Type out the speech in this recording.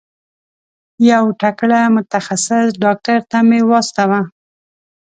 یو تکړه متخصص ډاکټر ته مي واستوه.